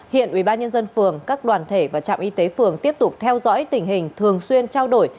hiện ủy ban nhân dân phường các đoàn thể và trạm y tế phường tiếp tục theo dõi tình hình thường xuyên trao đổi